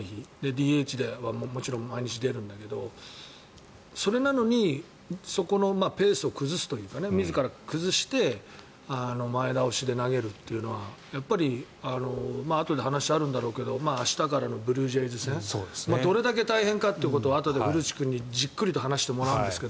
ＤＨでもちろん毎日出るんだけどそれなのにそこのペースを崩すというか自ら崩して前倒して投げるというのはあとで話があるんだろうけど明日からのブルージェイズ戦どれだけ大変かということをあとで古内君にじっくりと話してもらうんですが。